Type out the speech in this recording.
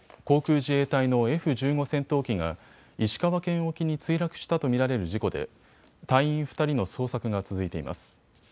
航空自衛隊のＦ１５戦闘機が石川県沖に墜落したと見られる事故で隊員２人の捜索が続いています。